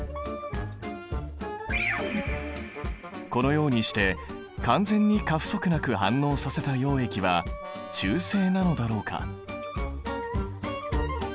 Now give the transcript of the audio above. このようにして完全に過不足なく反応させた溶液は中性なのだろうか？